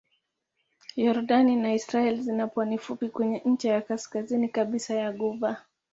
Yordani na Israel zina pwani fupi kwenye ncha ya kaskazini kabisa ya ghuba.